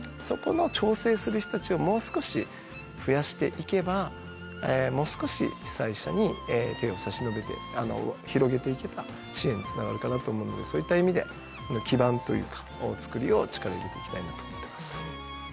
そこの調整する人たちをもう少し増やしていけばもう少し被災者に手を差し伸べて広げていけば支援につながるかなと思うのでそういった意味で基盤というかを作るよう力を入れていきたいなと思ってます。